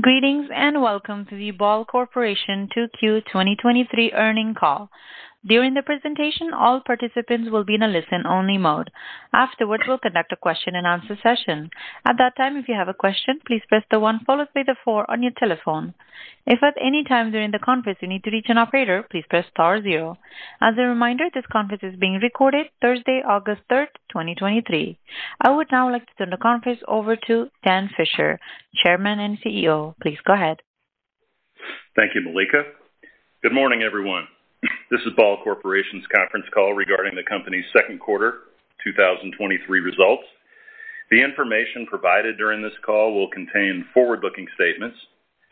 Greetings, and welcome to the Ball Corporation 2Q 2023 earning call. During the presentation, all participants will be in a listen-only mode. Afterwards, we'll conduct a question-and-answer session. At that time, if you have a question, please press the 1 followed by the 4 on your telephone. If at any time during the conference, you need to reach an operator, please press star 0. As a reminder, this conference is being recorded Thursday, August 3, 2023. I would now like to turn the conference over to Dan Fisher, Chairman and CEO. Please go ahead. Thank you, Maleeka. Good morning, everyone. This is Ball Corporation's conference call regarding the company's Q2 2023 results. The information provided during this call will contain forward-looking statements.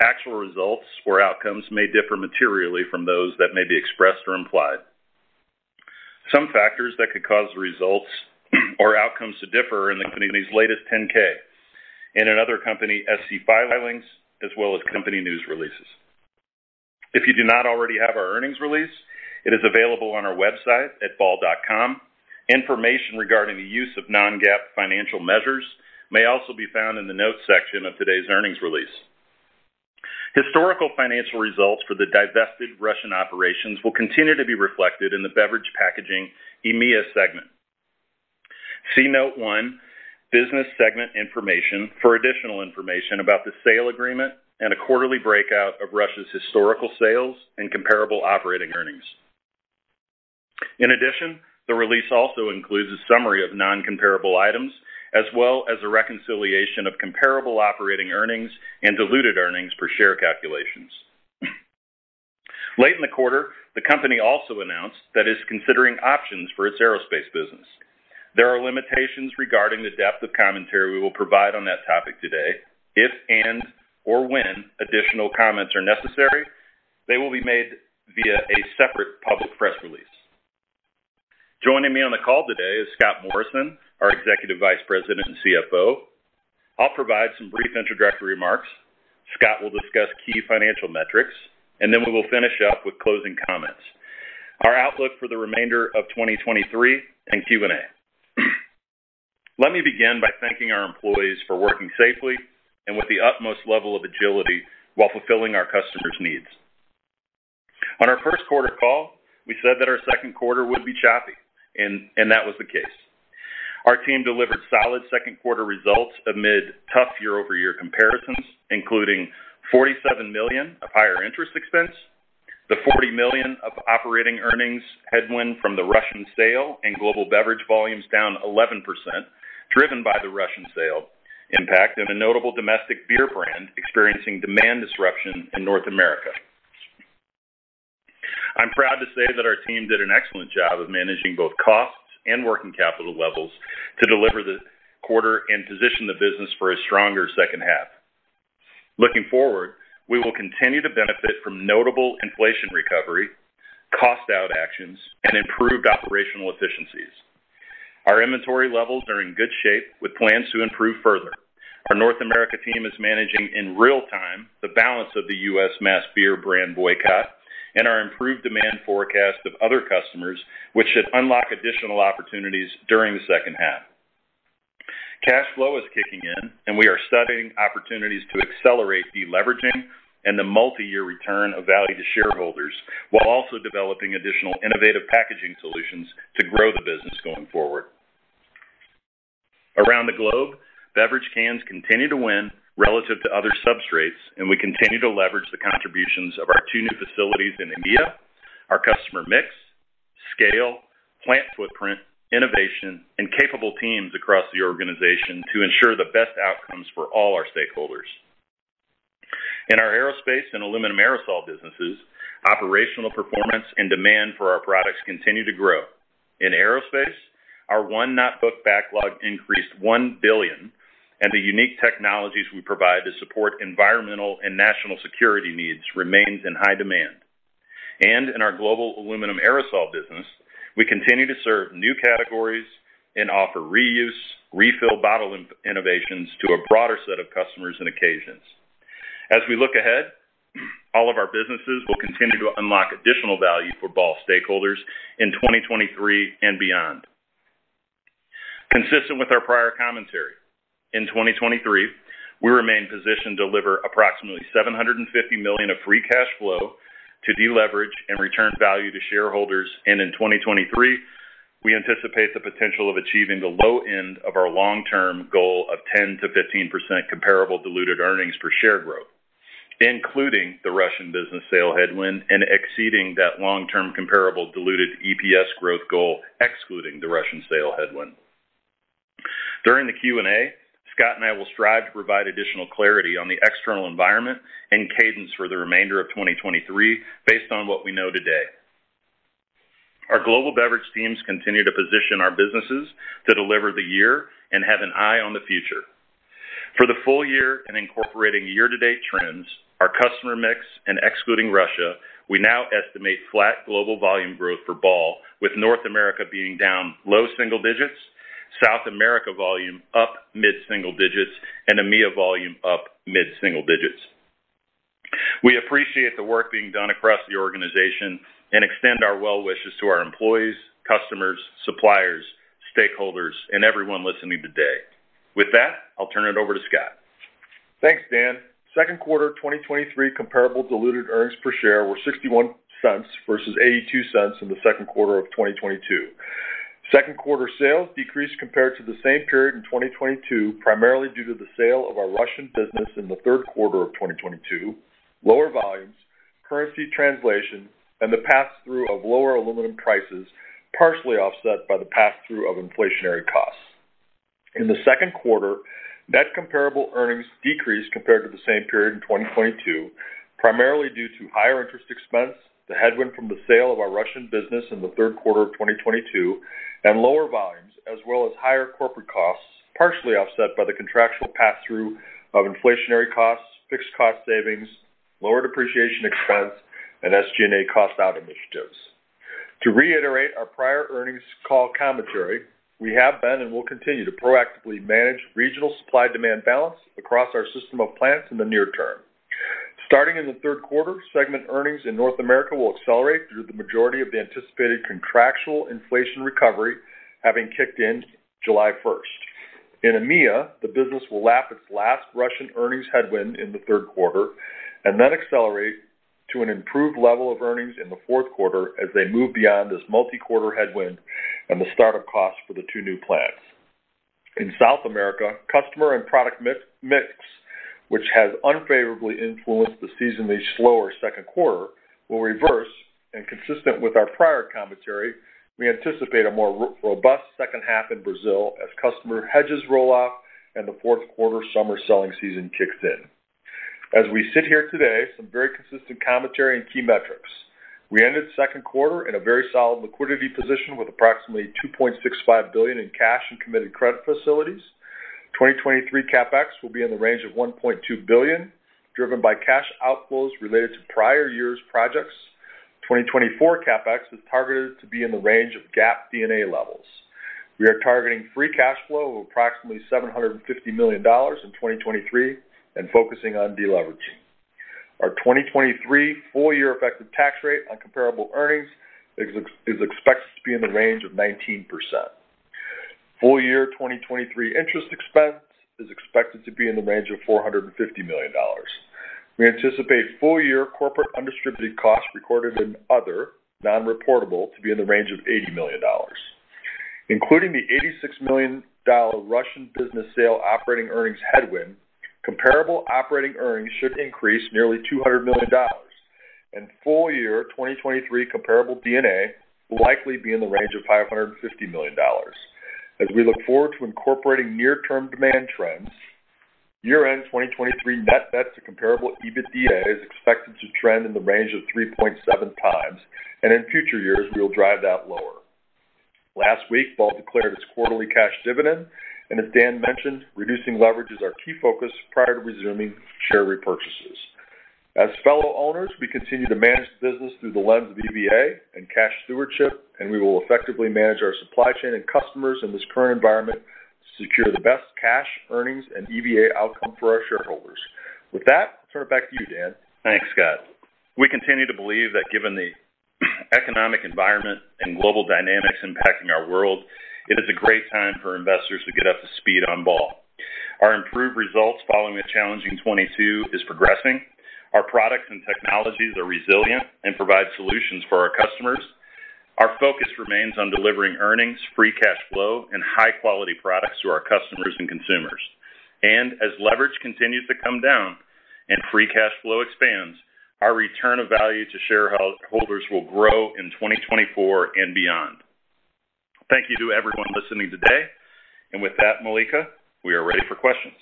Actual results or outcomes may differ materially from those that may be expressed or implied. Some factors that could cause results or outcomes to differ are in the company's latest 10-K and in other company SEC filings, as well as company news releases. If you do not already have our earnings release, it is available on our website at ball.com. Information regarding the use of non-GAAP financial measures may also be found in the notes section of today's earnings release. Historical financial results for the divested Russian operations will continue to be reflected in the beverage packaging, EMEA segment. See Note 1, Business Segment Information, for additional information about the sale agreement and a quarterly breakout of Russia's historical sales and comparable operating earnings. In addition, the release also includes a summary of non-comparable items, as well as a reconciliation of comparable operating earnings and diluted earnings per share calculations. Late in the quarter, the company also announced that it's considering options for its aerospace business. There are limitations regarding the depth of commentary we will provide on that topic today. If and or when additional comments are necessary, they will be made via a separate public press release. Joining me on the call today is Scott Morrison, our Executive Vice President and CFO. I'll provide some brief introductory remarks. Scott will discuss key financial metrics, and then we will finish up with closing comments. Our outlook for the remainder of 2023 and Q&A. Let me begin by thanking our employees for working safely and with the utmost level of agility while fulfilling our customers' needs. On our Q1 call, we said that our Q2 would be choppy, and that was the case. Our team delivered solid Q2 results amid tough year-over-year comparisons, including $47 million of higher interest expense, the $40 million of operating earnings headwind from the Russian sale, and global beverage volumes down 11%, driven by the Russian sale impact, and a notable domestic beer brand experiencing demand disruption in North America. I'm proud to say that our team did an excellent job of managing both costs and working capital levels to deliver the quarter and position the business for a stronger second half. Looking forward, we will continue to benefit from notable inflation recovery, cost out actions, and improved operational efficiencies. Our inventory levels are in good shape, with plans to improve further. Our North America team is managing in real time the balance of the U.S. mass beer brand boycott and our improved demand forecast of other customers, which should unlock additional opportunities during the second half. Cash flow is kicking in. We are studying opportunities to accelerate deleveraging and the multiyear return of value to shareholders, while also developing additional innovative packaging solutions to grow the business going forward. Around the globe, beverage cans continue to win relative to other substrates. We continue to leverage the contributions of our two new facilities in India, our customer mix, scale, plant footprint, innovation, and capable teams across the organization to ensure the best outcomes for all our stakeholders. In our aerospace and aluminum aerosol businesses, operational performance and demand for our products continue to grow. In aerospace, our won-not-booked backlog increased $1 billion. The unique technologies we provide to support environmental and national security needs remains in high demand. In our global aluminum aerosol business, we continue to serve new categories and offer reuse, refill bottle innovations to a broader set of customers and occasions. As we look ahead, all of our businesses will continue to unlock additional value for Ball stakeholders in 2023 and beyond. Consistent with our prior commentary, in 2023, we remain positioned to deliver approximately $750 million of free cash flow to deleverage and return value to shareholders. In 2023, we anticipate the potential of achieving the low end of our long-term goal of 10%-15% comparable diluted earnings per share growth, including the Russia business sale headwind and exceeding that long-term comparable diluted EPS growth goal, excluding the Russia sale headwind. During the Q&A, Scott and I will strive to provide additional clarity on the external environment and cadence for the remainder of 2023, based on what we know today. Our global beverage teams continue to position our businesses to deliver the year and have an eye on the future. For the full year and incorporating year-to-date trends, our customer mix and excluding Russia, we now estimate flat global volume growth for Ball, with North America being down low single digits, South America volume up mid-single digits, and EMEA volume up mid-single digits. We appreciate the work being done across the organization and extend our well wishes to our employees, customers, suppliers, stakeholders, and everyone listening today. With that, I'll turn it over to Scott. Thanks, Dan. Q2 2023 comparable diluted earnings per share were $0.61 versus $0.82 in the Q2 of 2022. Q2 sales decreased compared to the same period in 2022, primarily due to the sale of our Russian business in the Q3 of 2022, lower volumes, currency translation, and the pass-through of lower aluminum prices, partially offset by the pass-through of inflationary costs. In the Q2, net comparable earnings decreased compared to the same period in 2022, primarily due to higher interest expense, the headwind from the sale of our Russian business in the Q3 of 2022, and lower volumes, as well as higher corporate costs, partially offset by the contractual pass-through of inflationary costs, fixed cost savings, lower depreciation expense, and SG&A cost-out initiatives. To reiterate our prior earnings call commentary, we have been and will continue to proactively manage regional supply-demand balance across our system of plants in the near term. Starting in the Q3, segment earnings in North America will accelerate through the majority of the anticipated contractual inflation recovery, having kicked in July 1st. In EMEA, the business will lap its last Russian earnings headwind in the Q3 and then accelerate to an improved level of earnings in the Q4 as they move beyond this multi-quarter headwind and the start-up costs for the two new plants. In South America, customer and product mix, which has unfavorably influenced the seasonally slower Q2, will reverse, and consistent with our prior commentary, we anticipate a more robust second half in Brazil as customer hedges roll off and the Q4 summer selling season kicks in. As we sit here today, some very consistent commentary and key metrics. We ended the Q2 in a very solid liquidity position with approximately $2.65 billion in cash and committed credit facilities. 2023 CapEx will be in the range of $1.2 billion, driven by cash outflows related to prior years' projects. 2024 CapEx is targeted to be in the range of GAAP D&A levels. We are targeting free cash flow of approximately $750 million in 2023 and focusing on deleveraging. Our 2023 full-year effective tax rate on comparable earnings is expected to be in the range of 19%. Full-year 2023 interest expense is expected to be in the range of $450 million. We anticipate full-year corporate undistributed costs recorded in other non-reportable to be in the range of $80 million. Including the $86 million Russian business sale operating earnings headwind, comparable operating earnings should increase nearly $200 million, and full-year 2023 comparable D&A will likely be in the range of $550 million. As we look forward to incorporating near-term demand trends, year-end 2023 net debt to comparable EBITDA is expected to trend in the range of 3.7 times, and in future years, we will drive that lower. Last week, Ball declared its quarterly cash dividend, and as Dan mentioned, reducing leverage is our key focus prior to resuming share repurchases. As fellow owners, we continue to manage the business through the lens of EVA and cash stewardship, and we will effectively manage our supply chain and customers in this current environment to secure the best cash, earnings, and EVA outcome for our shareholders. With that, I'll turn it back to you, Dan. Thanks, Scott. We continue to believe that given the economic environment and global dynamics impacting our world, it is a great time for investors to get up to speed on Ball. Our improved results following the challenging 2022 is progressing. Our products and technologies are resilient and provide solutions for our customers. Our focus remains on delivering earnings, free cash flow, and high-quality products to our customers and consumers. As leverage continues to come down and free cash flow expands, our return of value to shareholders will grow in 2024 and beyond. Thank you to everyone listening today. With that, Malika, we are ready for questions.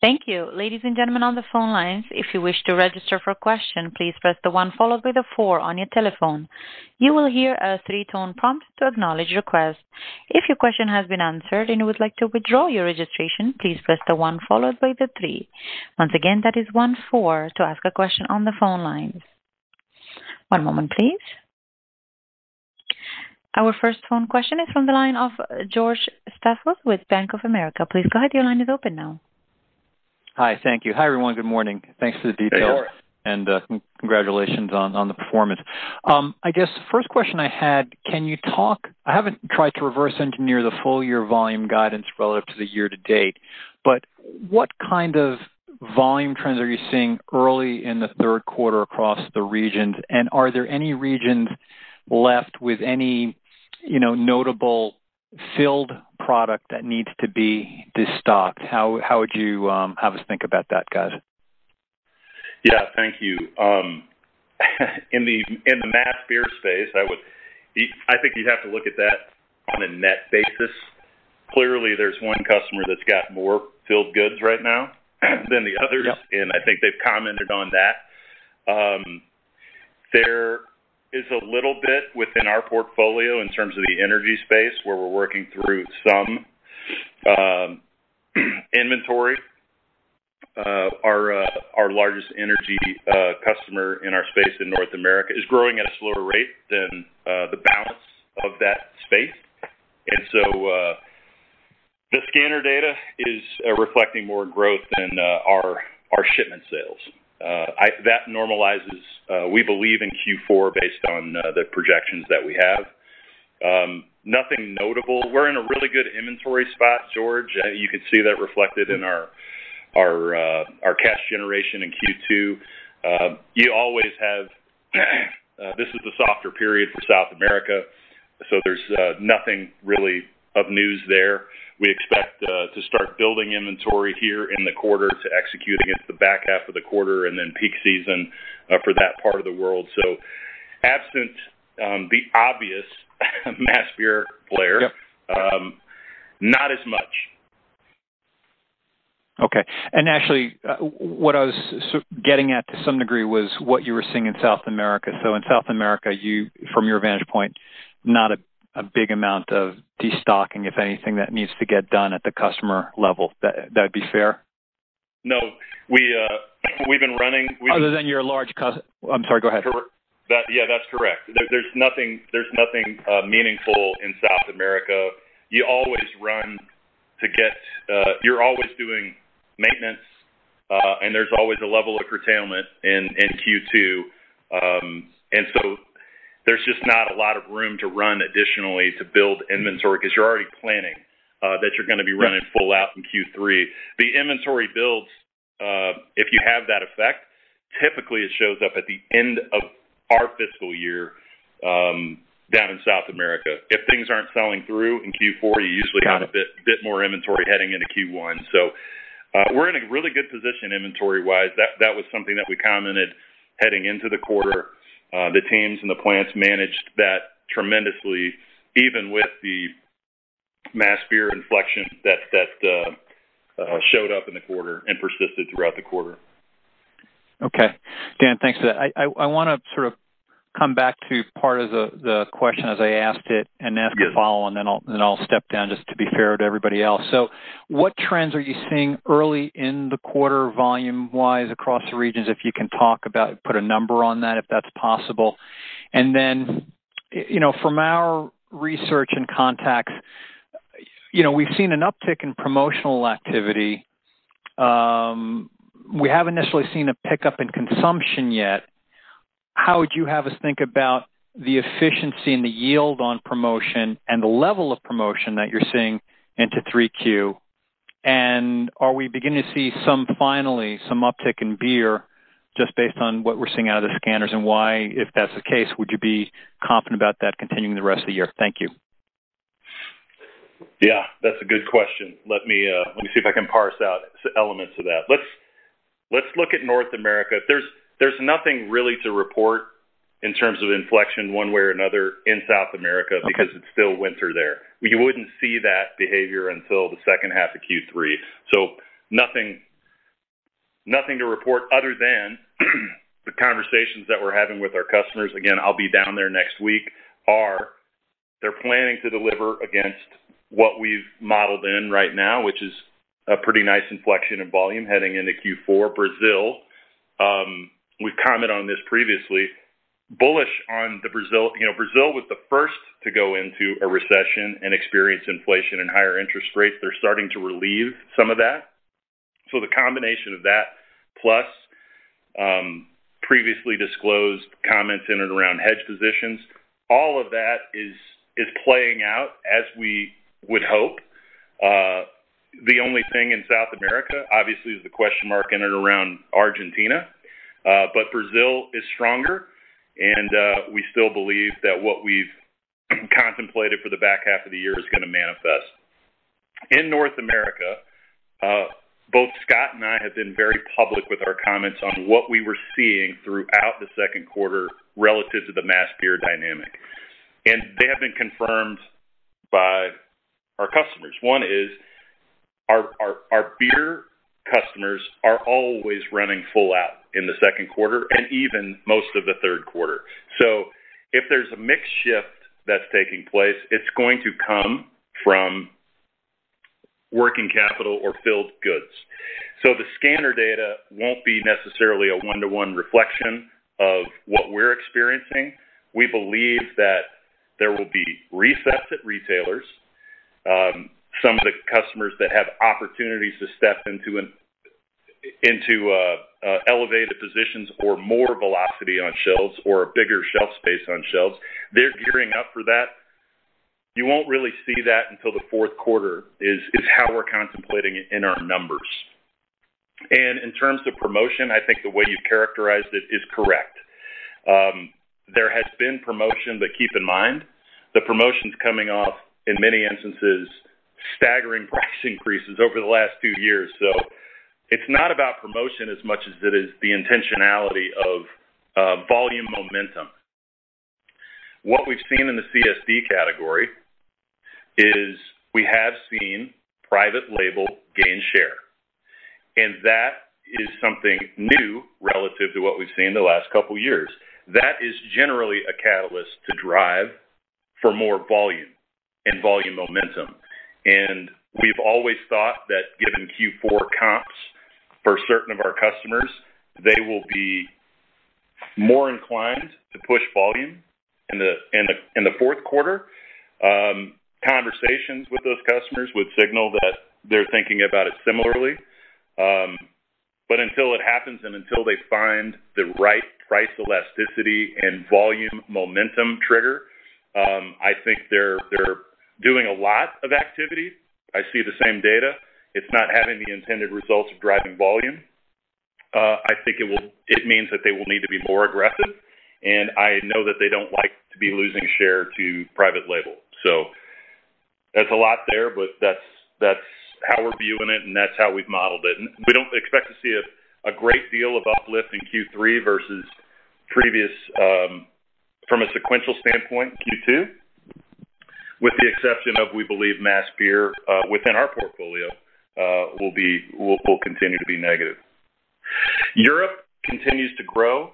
Thank you. Ladies and gentlemen, on the phone lines, if you wish to register for a question, please press the one followed by the four on your telephone. You will hear a 3-tone prompt to acknowledge request. If your question has been answered and you would like to withdraw your registration, please press the one followed by the three. Once again, that is one, four to ask a question on the phone lines. 1 moment, please. Our first phone question is from the line of George Stathos with Bank of America. Please go ahead. Your line is open now. Hi. Thank you. Hi, everyone. Good morning. Thanks for the details. Hey, George. Congratulations on the performance. I guess first question I had, I haven't tried to reverse engineer the full year volume guidance relative to the year to date, but what kind of volume trends are you seeing early in the Q3 across the regions? Are there any regions left with any, you know, notable filled product that needs to be destocked? How would you have us think about that, guys? Thank you. In the mass beer space, I think you'd have to look at that on a net basis. Clearly, there's one customer that's got more filled goods right now than the others. Yes. I think they've commented on that. There is a little bit within our portfolio in terms of the energy space, where we're working through some inventory. Our largest energy customer in our space in North America is growing at a slower rate than the balance of that space. The scanner data is reflecting more growth than our, our shipment sales. I, that normalizes, we believe in Q4 based on the projections that we have. Nothing notable. We're in a really good inventory spot, George. You can see that reflected in our, our, our cash generation in Q2. You always have, this is the softer period for South America, so there's nothing really of news there. We expect to start building inventory here in the quarter to execute against the back half of the quarter and then peak season for that part of the world. Absent the obvious, mass beer player- Yep. Not as much. Okay. Actually, what I was getting at, to some degree, was what you were seeing in South America. In South America, you, from your vantage point, not a, a big amount of destocking, if anything, that needs to get done at the customer level. That, that'd be fair? No, we, we've been running Other than your large cus. I'm sorry, go ahead. Yeah, that's correct. There's nothing, there's nothing meaningful in South America. You're always doing maintenance, and there's always a level of curtailment in Q2. There's just not a lot of room to run additionally to build inventory, because you're already planning that you're gonna be running full out in Q3. The inventory builds, if you have that effect, typically, it shows up at the end of our fiscal year down in South America. If things aren't selling through in Q4, you usually have a bit, bit more inventory heading into Q1. We're in a really good position inventory-wise. That, that was something that we commented heading into the quarter. The teams and the plants managed that tremendously, even with the mass beer inflection that, that showed up in the quarter and persisted throughout the quarter. Okay. Dan, thanks for that. I wanna sort of come back to part of the question as I asked it, and ask a follow-on. Good. Then I'll step down, just to be fair to everybody else. What trends are you seeing early in the quarter, volume-wise, across the regions? If you can talk about, put a number on that, if that's possible. Y-you know, from our research and contacts, you know, we've seen an uptick in promotional activity. We haven't necessarily seen a pickup in consumption yet. How would you have us think about the efficiency and the yield on promotion and the level of promotion that you're seeing into 3Q? Are we beginning to see some, finally, some uptick in beer, just based on what we're seeing out of the scanners? Why, if that's the case, would you be confident about that continuing the rest of the year? Thank you. Yeah, that's a good question. Let me, let me see if I can parse out elements of that. Let's, let's look at North America. There's, there's nothing really to report in terms of inflection one way or another in South America. Okay Because it's still winter there. You wouldn't see that behavior until the second half of Q3. Nothing, nothing to report, other than the conversations that we're having with our customers, again, I'll be down there next week, are: they're planning to deliver against what we've modeled in right now, which is a pretty nice inflection in volume heading into Q4. Brazil, we've commented on this previously, bullish on the Brazil. You know, Brazil was the first to go into a recession and experience inflation and higher interest rates. They're starting to relieve some of that. The combination of that, plus previously disclosed comments in and around hedge positions, all of that is, is playing out as we would hope. The only thing in South America, obviously, is the question mark in and around Argentina. Brazil is stronger, and we still believe that what we've contemplated for the back half of the year is gonna manifest. In North America, both Scott and I have been very public with our comments on what we were seeing throughout the Q2 relative to the mass beer dynamic, and they have been confirmed by our customers. One is, our beer customers are always running full out in the Q2 and even most of the Q3. If there's a mix shift that's taking place, it's going to come from working capital or filled goods. The scanner data won't be necessarily a one-to-one reflection of what we're experiencing. We believe that there will be resets at retailers. Some of the customers that have opportunities to step into an, into a elevated positions or more velocity on shelves, or a bigger shelf space on shelves, they're gearing up for that. You won't really see that until the Q4, is, is how we're contemplating it in our numbers. In terms of promotion, I think the way you characterized it is correct. There has been promotion, but keep in mind, the promotion's coming off, in many instances, staggering price increases over the last two years. It's not about promotion as much as it is the intentionality of volume momentum. What we've seen in the CSD category is, we have seen private label gain share, and that is something new relative to what we've seen in the last couple of years. That is generally a catalyst to drive for more volume and volume momentum. We've always thought that given Q4 comps for certain of our customers, they will be more inclined to push volume in the, in the, in the Q4. Conversations with those customers would signal that they're thinking about it similarly. Until it happens and until they find the right price elasticity and volume momentum trigger, I think they're, they're doing a lot of activity. I see the same data. It's not having the intended results of driving volume. I think it means that they will need to be more aggressive, and I know that they don't like to be losing share to private label. That's a lot there, but that's, that's how we're viewing it, and that's how we've modeled it. We don't expect to see a great deal of uplift in Q3 versus previous, from a sequential standpoint, Q2, with the exception of, we believe, mass beer within our portfolio will continue to be negative. Europe continues to grow.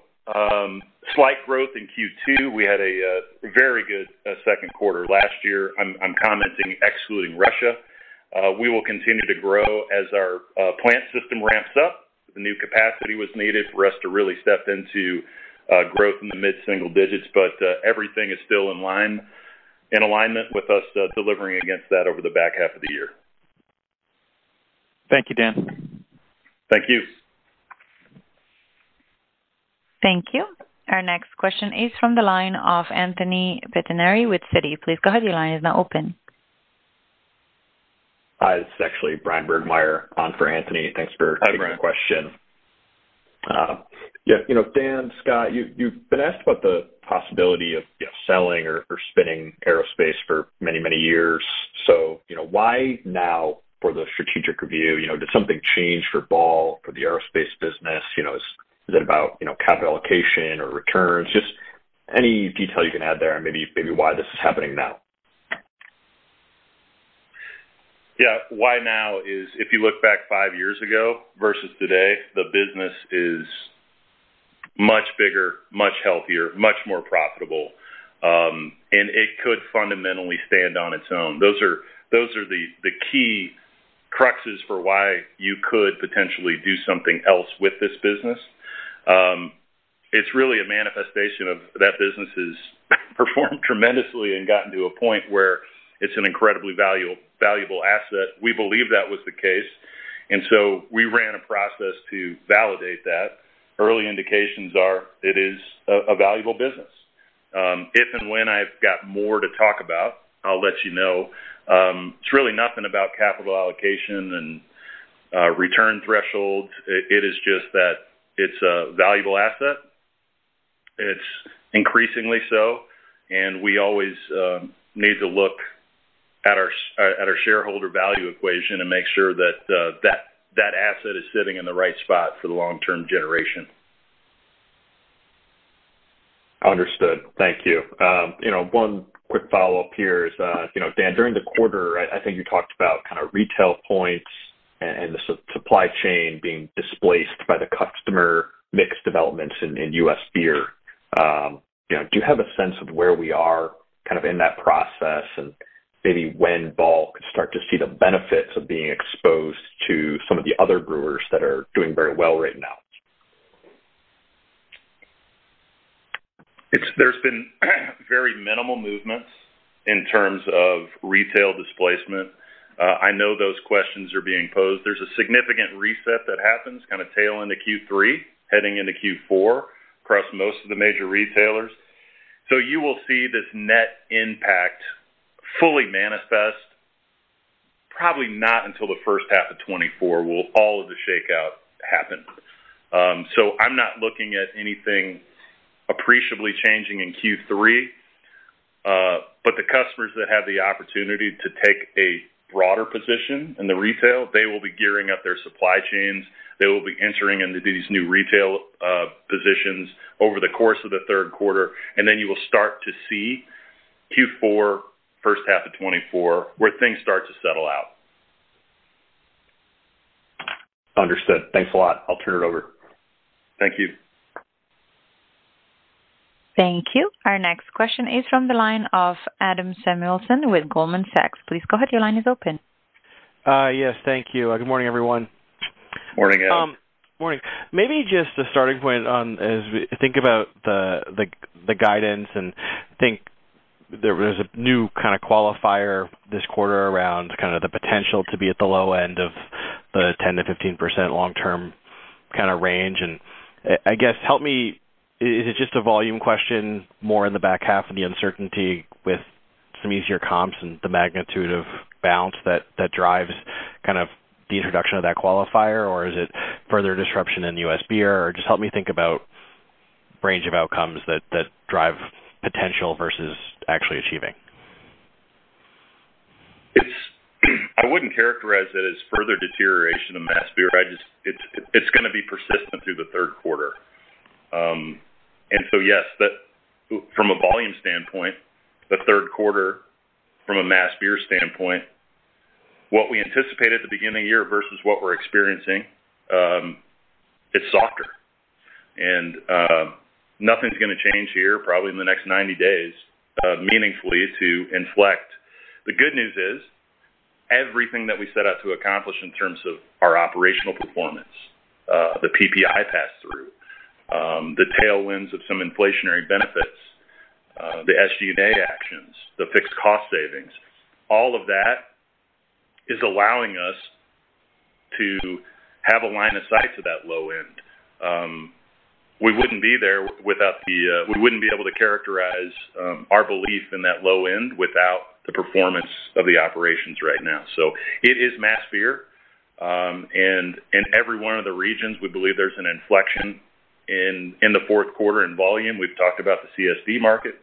Slight growth in Q2. We had a very good Q2 last year. I'm commenting, excluding Russia. We will continue to grow as our plant system ramps up. The new capacity was needed for us to really step into growth in the mid-single digits, everything is still in alignment with us delivering against that over the back half of the year. Thank you, Dan. Thank you. Thank you. Our next question is from the line of Anthony Pettinari with Citi. Please go ahead. Your line is now open. Hi, this is actually Bryan Burgmeier on for Anthony. Thanks for taking the question. Hi, Bryan. Yeah, you know, Dan, Scott, you've been asked about the possibility of, you know, selling or spinning aerospace for many, many years. You know, why now for the strategic review? You know, did something change for Ball, for the aerospace business? You know, is it about, you know, capital allocation or returns? Just any detail you can add there and maybe, maybe why this is happening now. Yeah. Why now is, if you look back 5 years ago versus today, the business is much bigger, much healthier, much more profitable, and it could fundamentally stand on its own. Those are, those are the, the key cruxes for why you could potentially do something else with this business. It's really a manifestation of that business has performed tremendously and gotten to a point where it's an incredibly valuable, valuable asset. We believe that was the case, and so we ran a process to validate that. Early indications are it is a, a valuable business. If and when I've got more to talk about, I'll let you know. It's really nothing about capital allocation and return thresholds. It, it is just that it's a valuable asset. It's increasingly so, and we always need to look at our at our shareholder value equation and make sure that, that, that asset is sitting in the right spot for the long-term generation. Understood. Thank you. You know, one quick follow-up here is, you know, Dan, during the quarter, I, I think you talked about kind of retail points and, and the supply chain being displaced by the customer mix developments in, in U.S. beer. You know, do you have a sense of where we are kind of in that process, and maybe when Ball could start to see the benefits of being exposed to some of the other brewers that are doing very well right now? There's been very minimal movements in terms of retail displacement. I know those questions are being posed. There's a significant reset that happens kind of tail into Q3, heading into Q4, across most of the major retailers. You will see this net impact fully manifest, probably not until the first half of 2024, will all of the shakeout happen. I'm not looking at anything appreciably changing in Q3. The customers that have the opportunity to take a broader position in the retail, they will be gearing up their supply chains. They will be entering into these new retail positions over the course of the Q3. Then you will start to see Q4, first half of 2024, where things start to settle out. Understood. Thanks a lot. I'll turn it over. Thank you. Thank you. Our next question is from the line of Adam Samuelson with Goldman Sachs. Please go ahead. Your line is open. Yes, thank you. Good morning, everyone. Morning, Adam. Morning. Maybe just a starting point on as we think about the, the, the guidance and think there, there's a new kind of qualifier this quarter around kind of the potential to be at the low end of the 10%-15% long-term kind of range. I, I guess, help me, is it just a volume question more in the back half of the uncertainty with some easier comps and the magnitude of bounce that, that drives kind of the introduction of that qualifier? Is it further disruption in the US beer? Or just help me think about range of outcomes that, that drive potential versus actually achieving. It's. I wouldn't characterize it as further deterioration of mass beer. It's, it's gonna be persistent through the Q3. Yes, from a volume standpoint, the Q3, from a mass beer standpoint, what we anticipated at the beginning of the year versus what we're experiencing, is softer. Nothing's gonna change here, probably in the next 90 days, meaningfully to inflect. Everything that we set out to accomplish in terms of our operational performance, the PPI pass-through, the tailwinds of some inflationary benefits, the SG&A actions, the fixed cost savings, all of that is allowing us to have a line of sight to that low end. We wouldn't be there without the, we wouldn't be able to characterize, our belief in that low end without the performance of the operations right now. It is mass beer. And every one of the regions, we believe there's an inflection in, in the Q4 in volume. We've talked about the CSD market.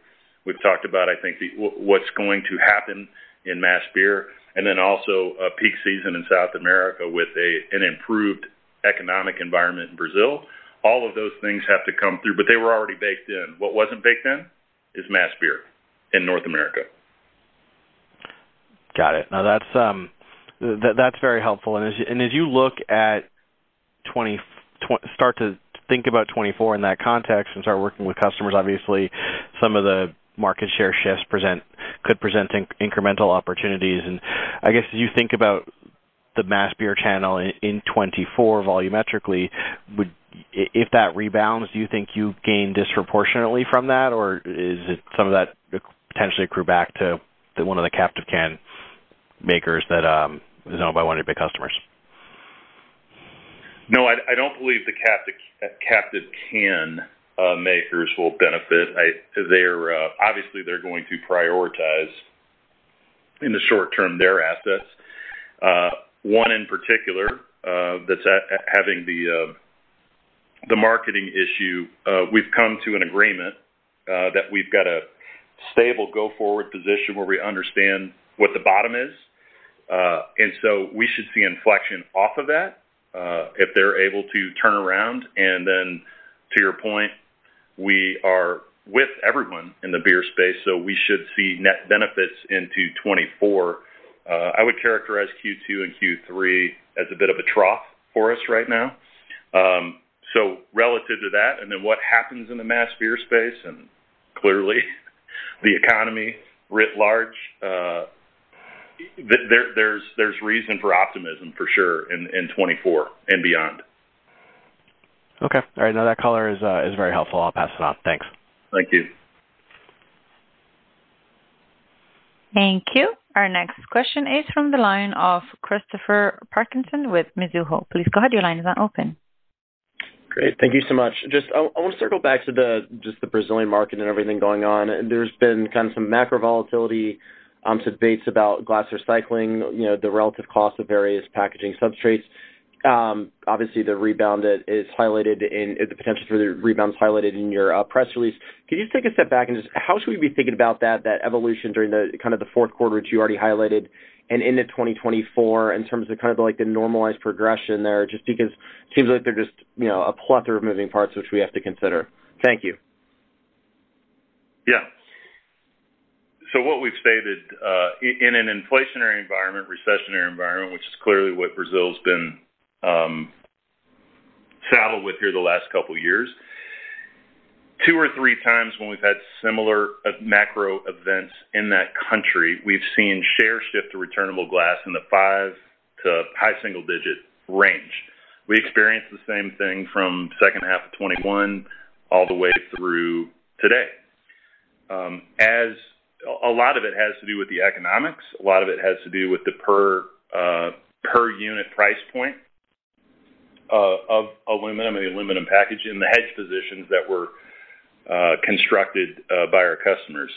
We've talked about the, what's going to happen in mass beer, and then also a peak season in South America with a, an improved economic environment in Brazil. All of those things have to come through, but they were already baked in. What wasn't baked in is mass beer in North America. Got it. Now, that's, that, that's very helpful. As you, and as you look at start to think about 2024 in that context and start working with customers, obviously, some of the market share shifts could present incremental opportunities. I guess, as you think about the mass beer channel in, in 2024, volumetrically, would if that rebounds, do you think you gain disproportionately from that, or is it some of that potentially accrue back to, to one of the captive can makers that is owned by one of your big customers? No, I, I don't believe the captive, captive can makers will benefit. They're obviously, they're going to prioritize, in the short term, their assets. One in particular, that's at, having the marketing issue, we've come to an agreement, that we've got a stable go-forward position where we understand what the bottom is. So we should see inflection off of that, if they're able to turn around. Then to your point, we are with everyone in the beer space, so we should see net benefits into 2024. I would characterize Q2 and Q3 as a bit of a trough for us right now. Relative to that, and then what happens in the mass beer space, and clearly, the economy writ large, there, there's, there's reason for optimism, for sure, in, in 2024 and beyond. Okay. All right, now that color is, is very helpful. I'll pass it on. Thanks. Thank you. Thank you. Our next question is from the line of Christopher Parkinson with Mizuho. Please go ahead. Your line is now open. Great. Thank you so much. Just I, I want to circle back to the, just the Brazilian market and everything going on. There's been kind of some macro volatility, debates about glass recycling, you know, the relative cost of various packaging substrates. Obviously, the potential for the rebound is highlighted in your press release. Can you just take a step back, and just how should we be thinking about that, that evolution during the kind of the Q4, which you already highlighted, and into 2024, in terms of kind of like the normalized progression there? Just because it seems like they're just, you know, a plethora of moving parts, which we have to consider. Thank you. Yeah. What we've stated, i-in an inflationary environment, recessionary environment, which is clearly what Brazil's been saddled with here the last couple of years. 2 or 3 times when we've had similar macro events in that country, we've seen shares shift to returnable glass in the 5 to high single-digit range. We experienced the same thing from second half of 2021 all the way through today. A lot of it has to do with the economics. A lot of it has to do with the per per unit price point of aluminum and the aluminum packaging and the hedge positions that were constructed by our customers.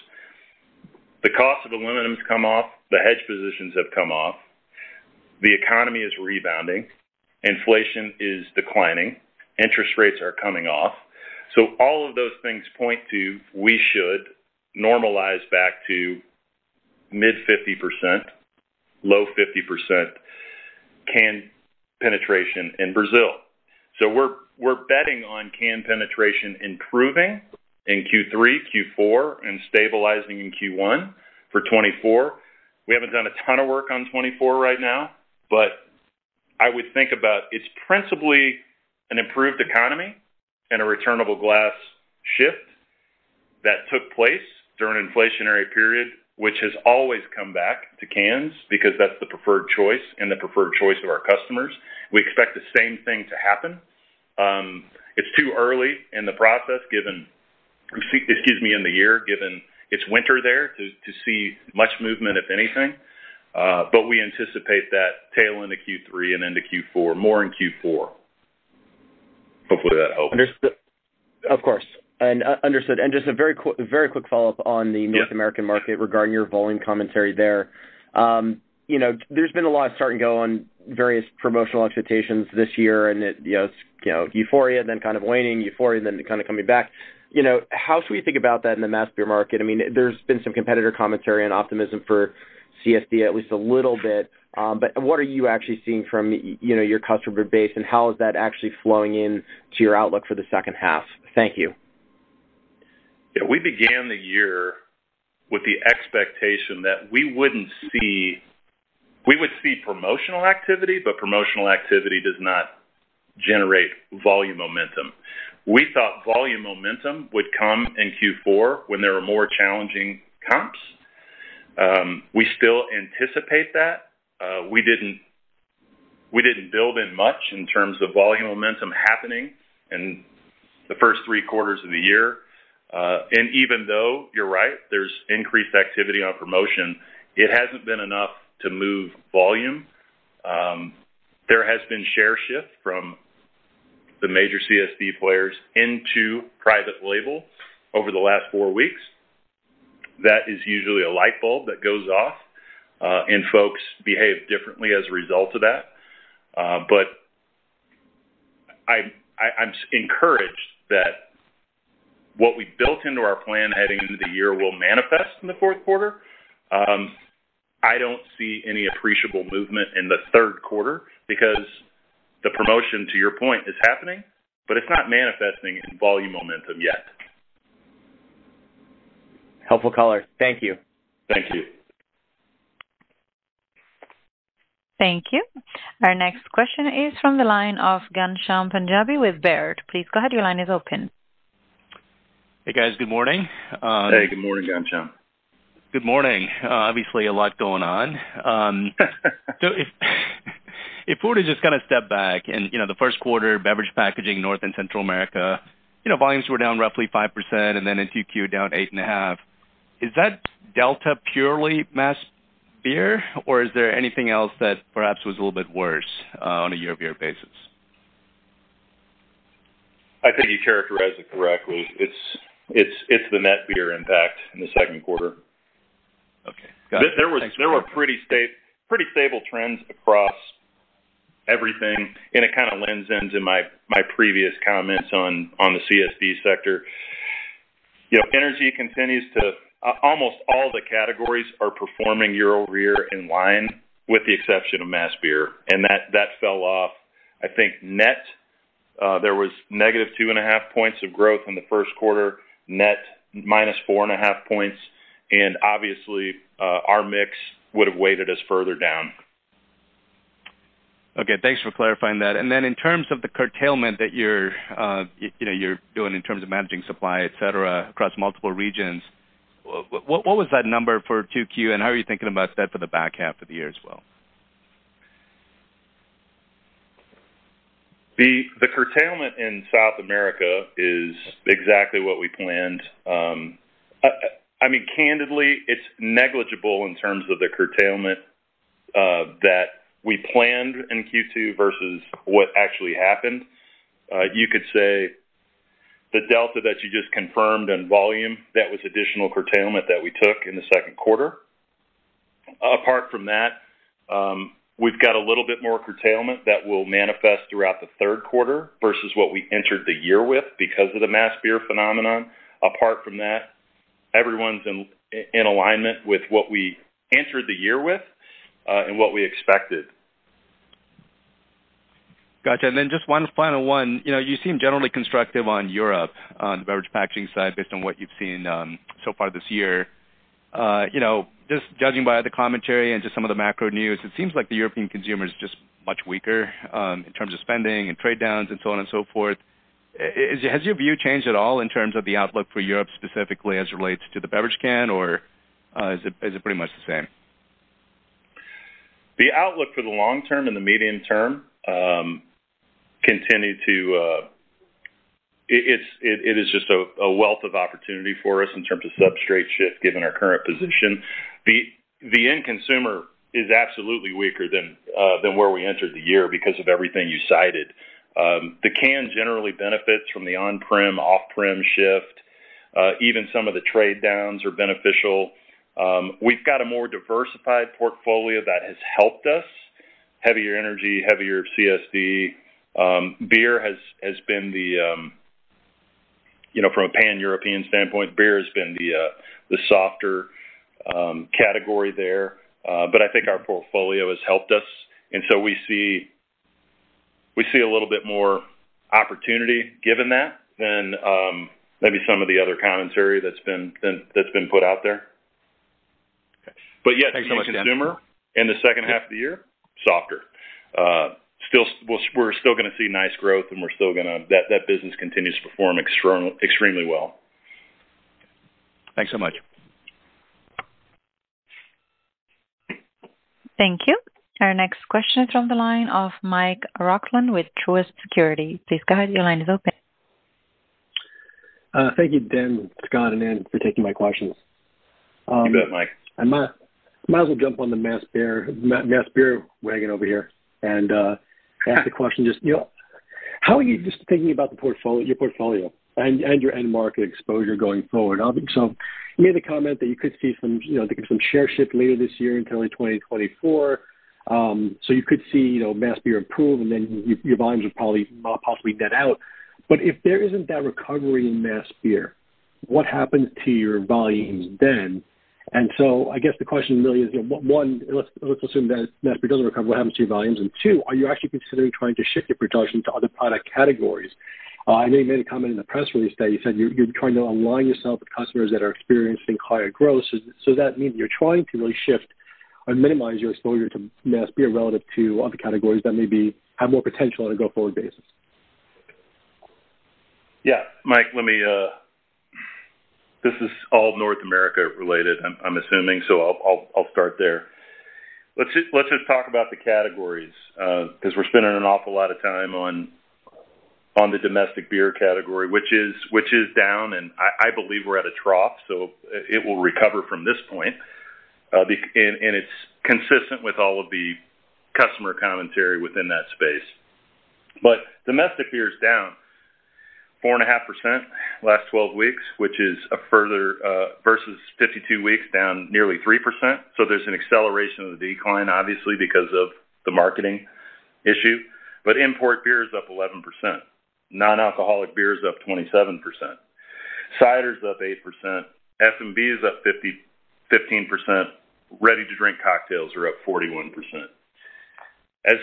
The cost of aluminum has come off. The hedge positions have come off. The economy is rebounding, inflation is declining, interest rates are coming off. All of those things point to, we should normalize back to mid 50%, low 50% can penetration in Brazil. We're, we're betting on can penetration improving in Q3, Q4, and stabilizing in Q1 for 2024. We haven't done a ton of work on 2024 right now, but I would think about it's principally an improved economy and a returnable glass shift that took place during an inflationary period, which has always come back to cans because that's the preferred choice and the preferred choice of our customers. We expect the same thing to happen. It's too early in the process, given, excuse me, in the year, given it's winter there, to, to see much movement, if anything. We anticipate that tail into Q3 and into Q4, more in Q4. Hopefully, that helps. Understood. Of course, and understood. Just a very quick follow-up on Yeah. North American market regarding your volume commentary there. You know, there's been a lot of start and go on various promotional expectations this year, and it, you know, it's, you know, euphoria, then kind of waning, euphoria, and then kind of coming back. You know, how should we think about that in the mass beer market? I mean, there's been some competitor commentary and optimism for CSD, at least a little bit. But what are you actually seeing from, you know, your customer base, and how is that actually flowing in to your outlook for the second half? Thank you. Yeah. We began the year with the expectation that we would see promotional activity, but promotional activity does not generate volume momentum. We thought volume momentum would come in Q4 when there were more challenging comps. We still anticipate that. We didn't, we didn't build in much in terms of volume momentum happening in the first 3 quarters of the year. Even though, you're right, there's increased activity on promotion, it hasn't been enough to move volume. There has been share shift from the major CSD players into private label over the last 4 weeks. That is usually a light bulb that goes off, and folks behave differently as a result of that. I, I, I'm encouraged that what we built into our plan heading into the year will manifest in the Q4. I don't see any appreciable movement in the Q3 because the promotion, to your point, is happening, but it's not manifesting in volume momentum yet. Helpful caller. Thank you. Thank you. Thank you. Our next question is from the line of Ghansham Panjabi with Baird. Please go ahead. Your line is open. Hey, guys. Good morning. Hey, good morning, Ghansham. Good morning. Obviously, a lot going on. If, if we were to just kind of step back and, you know, the Q1, beverage packaging, North and Central America, you know, volumes were down roughly 5%, and then in 2Q, down 8.5%. Is that delta purely mass beer, or is there anything else that perhaps was a little bit worse on a year-over-year basis? I think you characterized it correctly. It's, it's, it's the net beer impact in the Q2. Okay. Got it. There were pretty stable trends across everything, and it kind of lends into my, my previous comments on, on the CSD sector. You know, energy continues to... almost all the categories are performing year-over-year in line, with the exception of mass beer, and that, that fell off. I think net, there was negative 2.5 points of growth in the Q1, net minus 4.5 points, and obviously, our mix would have weighted us further down. Okay, thanks for clarifying that. In terms of the curtailment that you're, you know, you're doing in terms of managing supply, et cetera, across multiple regions, what was that number for 2Q, and how are you thinking about that for the back half of the year as well? The curtailment in South America is exactly what we planned. I mean, candidly, it's negligible in terms of the curtailment that we planned in Q2 versus what actually happened. You could say the delta that you just confirmed in volume, that was additional curtailment that we took in the Q2. Apart from that, we've got a little bit more curtailment that will manifest throughout the Q3 versus what we entered the year with because of the mass beer phenomenon. Apart from that, everyone's in alignment with what we entered the year with, and what we expected. Gotcha. Just one final one. You know, you seem generally constructive on Europe, on the beverage packaging side, based on what you've seen so far this year. You know, just judging by the commentary and just some of the macro news, it seems like the European consumer is just much weaker in terms of spending and trade downs and so on and so forth. Has your view changed at all in terms of the outlook for Europe, specifically as it relates to the beverage can, or is it, is it pretty much the same? The outlook for the long term and the medium term, continue to... I- it's, it, it is just a, a wealth of opportunity for us in terms of substrate shift, given our current position. The, the end consumer is absolutely weaker than, than where we entered the year because of everything you cited. The can generally benefits from the on-prem, off-prem shift. Even some of the trade downs are beneficial. We've got a more diversified portfolio that has helped us. Heavier energy, heavier CSD. Beer has, has been the, you know, from a pan-European standpoint, beer has been the softer category there. I think our portfolio has helped us, and so we see, we see a little bit more opportunity given that than, maybe some of the other commentary that's been put out there. Okay. yet. Thanks so much, Dan. The consumer in the second half of the year, softer. still, we're, we're still gonna see nice growth. That, that business continues to perform extremely well. Thanks so much. Thank you. Our next question is from the line of Micheal Roxland with Truist Securities. Please go ahead. Your line is open. Thank you, Dan, Scott, and Ann, for taking my questions. You bet, Mike. I might as well jump on the mass beer wagon over here and ask the question. Just, how are you just thinking about the portfolio, your portfolio and your end market exposure going forward? I think so. You made the comment that you could see some, you know, some share shift later this year into 2024. So you could see, you know, mass beer improve, and then your, your volumes would probably possibly net out. If there isn't that recovery in mass beer, what happens to your volumes then? So I guess the question really is, 1, let's, let's assume that mass beer doesn't recover. What happens to your volumes? 2, are you actually considering trying to shift your production to other product categories? I know you made a comment in the press release that you said you're, you're trying to align yourself with customers that are experiencing higher growth. Does that mean you're trying to really shift or minimize your exposure to domestic beer relative to other categories that maybe have more potential on a go-forward basis? Yeah, Mike, let me, this is all North America related, I'm, I'm assuming, so I'll start there. Let's just, let's just talk about the categories, 'cause we're spending an awful lot of time on, on the domestic beer category, which is, which is down, and I, I believe we're at a trough, so it will recover from this point. The, and, and it's consistent with all of the customer commentary within that space. Domestic beer is down 4.5% last 12 weeks, which is a further, versus 52 weeks down, nearly 3%. There's an acceleration of the decline, obviously, because of the marketing issue. Import beer is up 11%. Nonalcoholic beer is up 27%. Cider is up 8%. S&B is up 15%. Ready-to-drink cocktails are up 41%. As,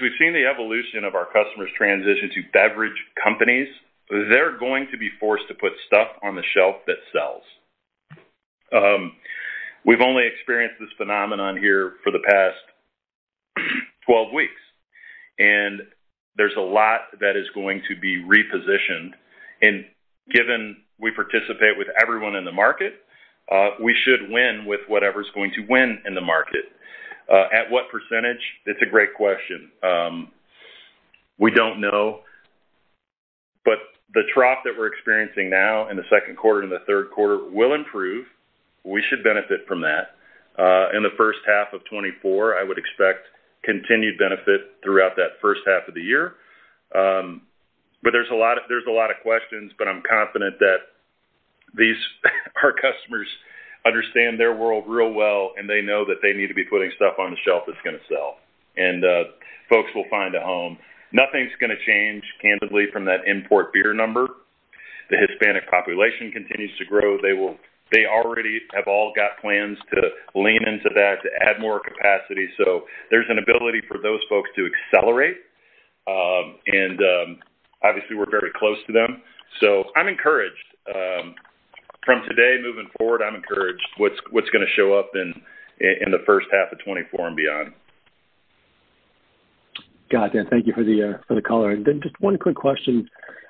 we've seen the evolution of our customers transition to beverage companies, they're going to be forced to put stuff on the shelf that sells. We've only experienced this phenomenon here for the past 12 weeks, and there's a lot that is going to be repositioned. Given we participate with everyone in the market, we should win with whatever's going to win in the market. At what percentage? It's a great question. We don't know, but the trough that we're experiencing now in the Q2 and the Q3 will improve. We should benefit from that. In the first half of 2024, I would expect continued benefit throughout that first half of the year. There's a lot of, there's a lot of questions, but I'm confident that these, our customers understand their world real well, and they know that they need to be putting stuff on the shelf that's gonna sell. Folks will find a home. Nothing's going to change, candidly, from that import beer number. The Hispanic population continues to grow. They already have all got plans to lean into that, to add more capacity. There's an ability for those folks to accelerate. Obviously, we're very close to them. I'm encouraged. From today, moving forward, I'm encouraged what's, what's gonna show up in, in the first half of 2024 and beyond. Got it. Thank you for the for the color. Just 1 quick question: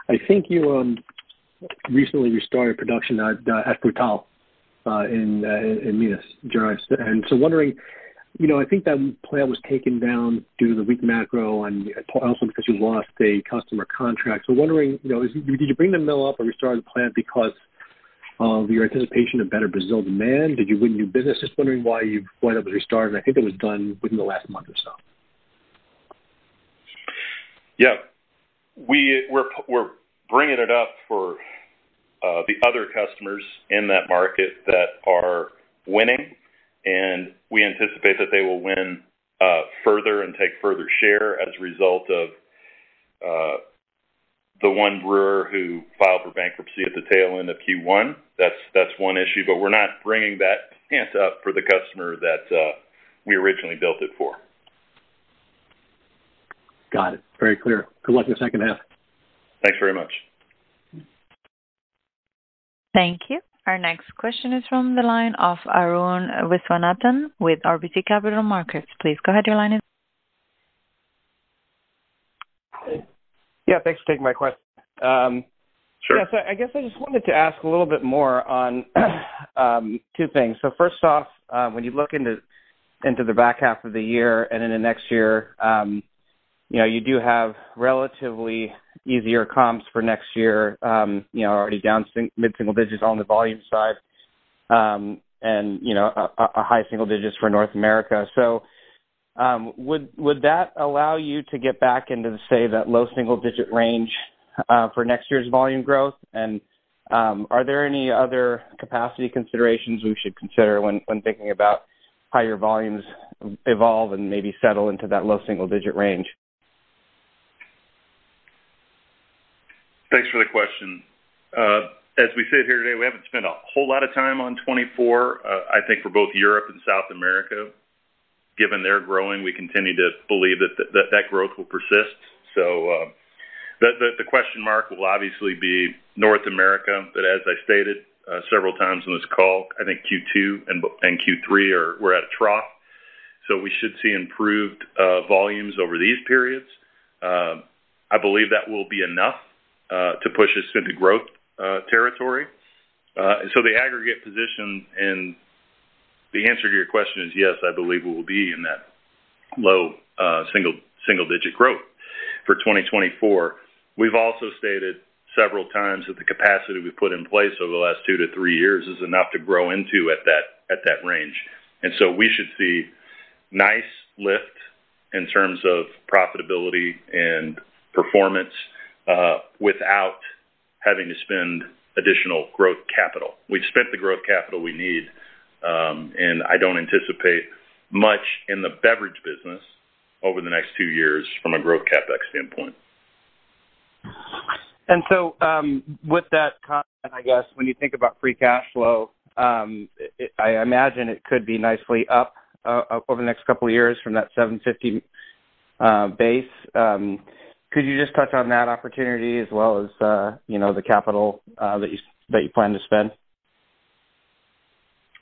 I think you, recently restarted production at Frutal in Minas Gerais. Wondering, you know, that plant was taken down due to the weak macro and also because you lost a customer contract. Wondering, you know, did you bring the mill up or restart the plant because of your anticipation of better Brazil demand? Did you win new business? Just wondering why you went up and restarted. I think it was done within the last month or so. Yeah. We're, bringing it up for the other customers in that market that are winning, and we anticipate that they will win further and take further share as a result of the 1 brewer who filed for bankruptcy at the tail end of Q1. That's, that's 1 issue, but we're not bringing that plant up for the customer that we originally built it for. Got it. Very clear. Good luck in the second half. Thanks very much. Thank you. Our next question is from the line of Arun Viswanathan with RBC Capital Markets. Please go ahead, your line is- Yeah, thanks for taking my question. Sure. Yeah, I guess I just wanted to ask a little bit more on, two things. First off, when you look into, into the back half of the year and in the next year, you know, you do have relatively easier comps for next year, you know, already down mid-single digits on the volume side, and, you know, a, a, a high-single digits for North America. Would, that allow you to get back into, say, that low single-digit range, for next year's volume growth? Are there any other capacity considerations we should consider when, when thinking about how your volumes evolve and maybe settle into that low single-digit range? Thanks for the question. As we sit here today, we haven't spent a whole lot of time on 2024. I think for both Europe and South America, given they're growing, we continue to believe that, that, that growth will persist. The, the, the question mark will obviously be North America, but as I stated, several times on this call, I think Q2 and, and Q3 are-- we're at a trough, so we should see improved volumes over these periods. I believe that will be enough to push us into growth territory. The aggregate position and the answer to your question is yes, I believe we will be in that low, single, single digit growth for 2024. We've also stated several times that the capacity we've put in place over the last 2-3 years is enough to grow into at that, at that range. We should see nice lift in terms of profitability and performance without having to spend additional growth capital. We've spent the growth capital we need. I don't anticipate much in the beverage business over the next 2 years from a growth CapEx standpoint. With that comment, I guess, when you think about free cash flow, I imagine it could be nicely up over the next couple of years from that $750 base. Could you just touch on that opportunity as well as, you know, the capital that you, that you plan to spend?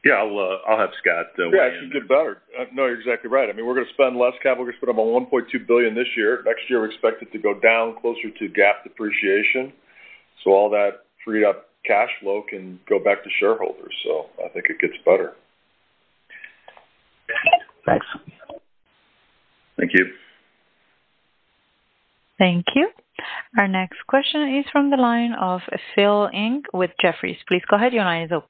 Yeah, I'll have Scott. It should get better. No, you're exactly right. I mean, we're gonna spend less capital. We're gonna spend about $1.2 billion this year. Next year, we're expected to go down closer to GAAP depreciation. All that freed up cash flow can go back to shareholders, so I think it gets better. Thanks. Thank you. Thank you. Our next question is from the line of Philip Ng with Jefferies. Please go ahead. Your line is open.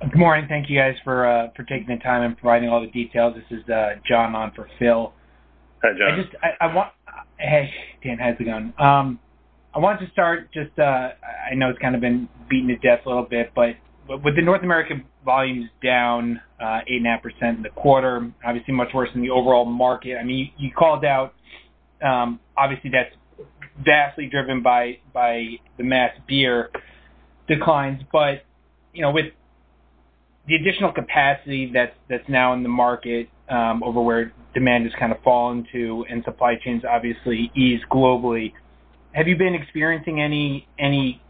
Good morning. Thank you, guys, for, for taking the time and providing all the details. This is, John on for Phil. Hi, John. I just I want... Hey, Dan, how's it going? I wanted to start just, I know it's kind of been beaten to death a little bit, with the North American volumes down 8.5% in the quarter, obviously much worse than the overall market. I mean, you called out, obviously, that's vastly driven by, by the mass beer declines. You know, with the additional capacity that's, that's now in the market, over where demand has kind of fallen to and supply chains obviously ease globally, have you been experiencing any, any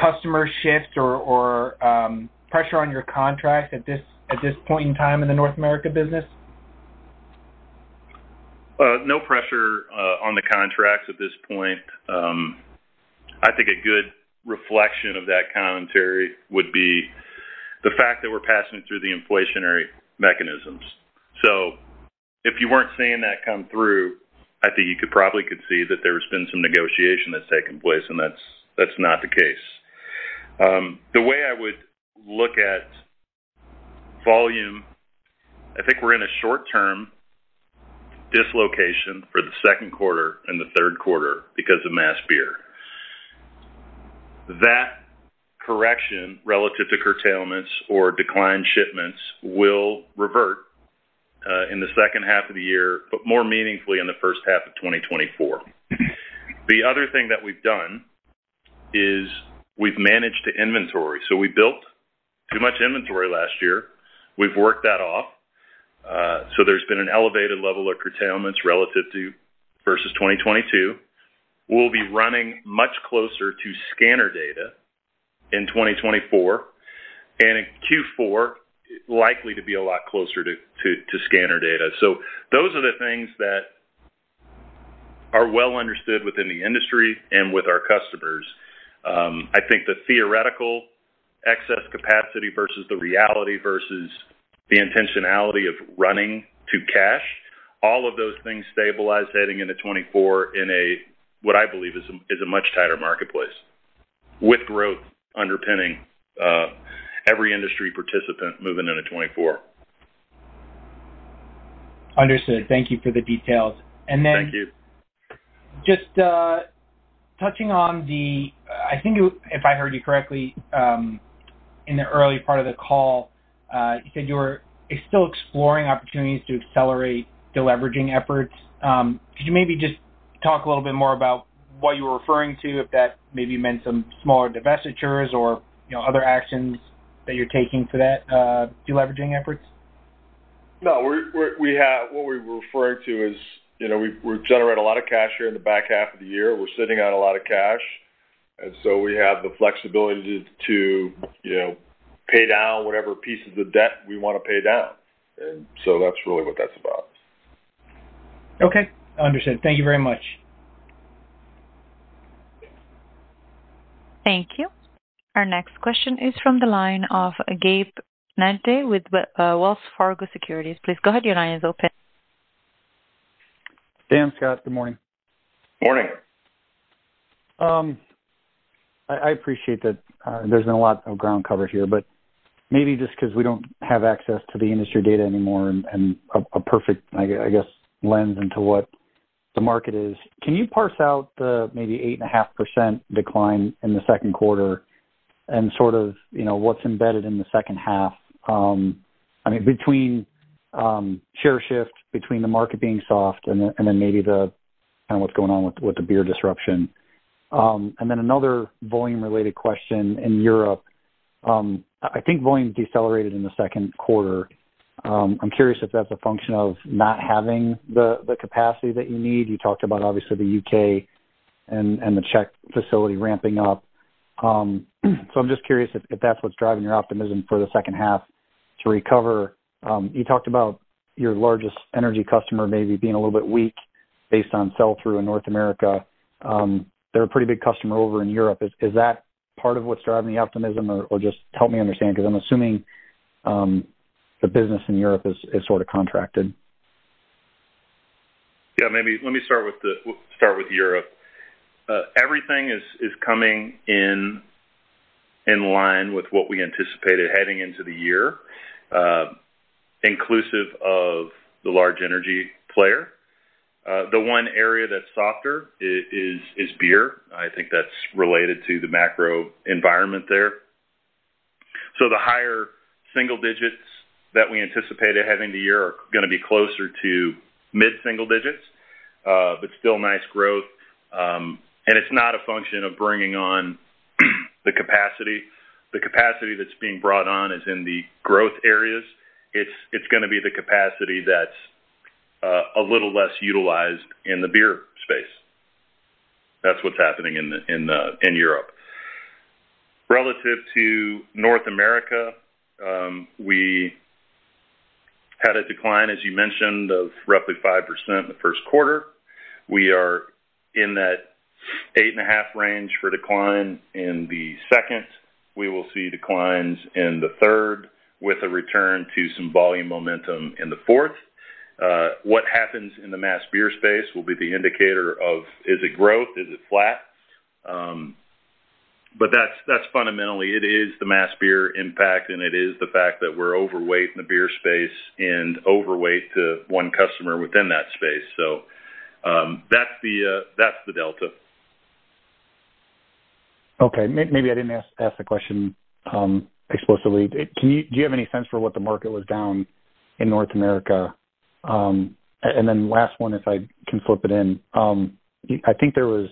customer shift or, or, pressure on your contract at this, at this point in time in the North America business? No pressure on the contracts at this point. I think a good reflection of that commentary would be the fact that we're passing through the inflationary mechanisms. If you weren't seeing that come through, I think you could probably could see that there's been some negotiation that's taken place, and that's, that's not the case. The way I would look at volume, I think we're in a short-term dislocation for the Q2 and the Q3 because of mass beer. That correction, relative to curtailments or declined shipments, will revert in the second half of the year, but more meaningfully in the first half of 2024. The other thing that we've done is we've managed the inventory. We built too much inventory last year. We've worked that off, there's been an elevated level of curtailments relative to versus 2022. We'll be running much closer to scanner data in 2024, and in Q4, likely to be a lot closer to scanner data. Those are the things that are well understood within the industry and with our customers. I think the theoretical excess capacity versus the reality versus the intentionality of running to cash, all of those things stabilize heading into 2024 in a, what I believe is a, is a much tighter marketplace, with growth underpinning every industry participant moving into 2024. Understood. Thank you for the details. Thank you. Then just touching on the I think, if I heard you correctly, in the early part of the call, you said you were still exploring opportunities to accelerate deleveraging efforts. Could you maybe just talk a little bit more about what you were referring to, if that maybe meant some smaller divestitures or, you know, other actions that you're taking for that deleveraging efforts? No, we're we have what we were referring to is, you know, we, we generate a lot of cash here in the back half of the year. We're sitting on a lot of cash. So we have the flexibility to, you know, pay down whatever pieces of debt we want to pay down. So that's really what that's about. Okay, understood. Thank you very much. Thank you. Our next question is from the line of Gabe Hajde with, Wells Fargo Securities. Please go ahead. Your line is open. Dan, Scott, good morning. Morning. I, I appreciate that, there's been a lot of ground covered here, but maybe just because we don't have access to the industry data anymore and a perfect, I guess, lens into what the market is. Can you parse out the maybe 8.5% decline in the 2Q and sort of, you know, what's embedded in the 2H? I mean, between share shift, between the market being soft and then maybe the, kind of what's going on with, with the beer disruption. Then another volume-related question in Europe. I, I think volume decelerated in the 2Q. I'm curious if that's a function of not having the, the capacity that you need. You talked about, obviously, the UK and the Czech facility ramping up. I'm just curious if, if that's what's driving your optimism for the second half to recover. You talked about your largest energy customer maybe being a little bit weak based on sell-through in North America. They're a pretty big customer over in Europe. Is, is that part of what's driving the optimism? Just help me understand, because I'm assuming, the business in Europe is, is sort of contracted. Yeah, maybe let me start with the start with Europe. Everything is, is coming in, in line with what we anticipated heading into the year, inclusive of the large energy player. The one area that's softer is, is beer. I think that's related to the macro environment there. The higher single digits that we anticipated heading to year are gonna be closer to mid-single digits, but still nice growth. It's not a function of bringing on the capacity. The capacity that's being brought on is in the growth areas. It's, it's gonna be the capacity that's a little less utilized in the beer space. That's what's happening in the, in the, in Europe. Relative to North America, we had a decline, as you mentioned, of roughly 5% in the Q1. We are in that 8.5 range for decline in the second. We will see declines in the third, with a return to some volume momentum in the fourth. What happens in the mass beer space will be the indicator of, is it growth? Is it flat? That's, that's fundamentally it, is the mass beer impact, and it is the fact that we're overweight in the beer space and overweight to 1 customer within that space. That's the, that's the delta. Okay. Maybe I didn't ask the question explicitly. Can you do you have any sense for what the market was down in North America? Then last one, if I can flip it in. I think there was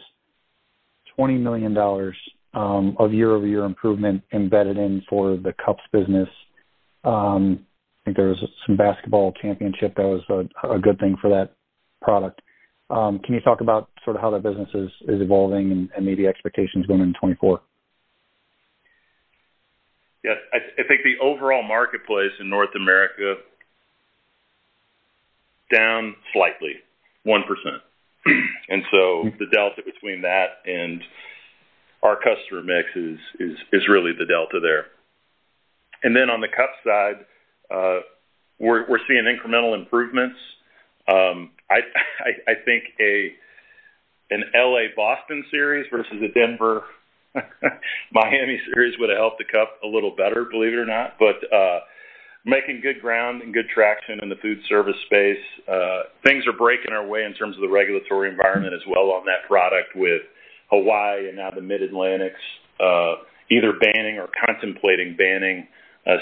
$20 million of year-over-year improvement embedded in for the cups business. I think there was some basketball championship that was a good thing for that product. Can you talk about sort of how that business is evolving and maybe expectations going into 2024? Yes. I, I think the overall marketplace in North America, down slightly, 1%. The delta between that and our customer mix is, is, is really the delta there. On the cup side, we're, we're seeing incremental improvements. I, I, I think a, an L.A.-Boston series versus a Denver, Miami series would have helped the cup a little better, believe it or not. Making good ground and good traction in the food service space. Things are breaking our way in terms of the regulatory environment as well on that product, with Hawaii and now the Mid-Atlantic, either banning or contemplating banning,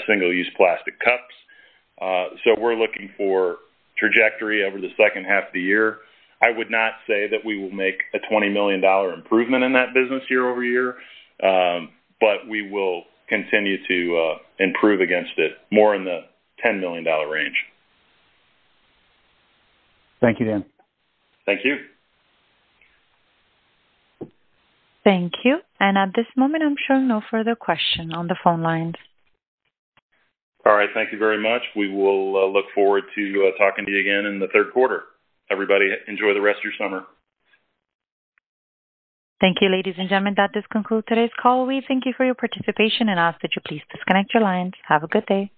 single-use plastic cups. We're looking for trajectory over the second half of the year. I would not say that we will make a $20 million improvement in that business year-over-year, but we will continue to improve against it, more in the $10 million range. Thank you, Dan. Thank you. Thank you. At this moment, I'm showing no further question on the phone lines. All right. Thank you very much. We will look forward to talking to you again in the Q3. Everybody, enjoy the rest of your summer. Thank you, ladies and gentlemen. That does conclude today's call. We thank you for your participation and ask that you please disconnect your lines. Have a good day.